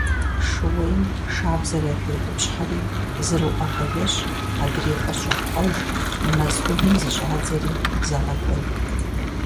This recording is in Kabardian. Шууейм шабзэр яхеутӀыпщхьэри зыр уӀэгъэ ещӀ, адрейхэр щӀопхъуэж, мэз Ӏувым зыщӀадзэри, загъэкӀуэд.